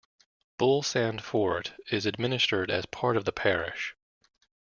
Bull Sand Fort is administered as part of the parish.